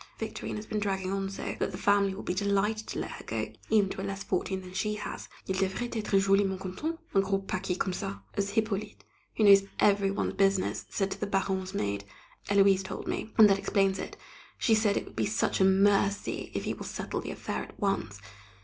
Victorine has been dragging on so, that the family will be delighted to let her go, even to a less fortune than she has. "Ils devraient être joliment contents, un gros paquet comme ça!" as Hippolyte, who knows every one's business, said to the Baronne's maid Héloise told me and that explains it; she said it would be such a mercy if he will settle the affair at once.